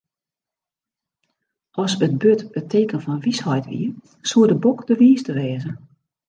As it burd it teken fan wysheid wie, soe de bok de wiiste wêze.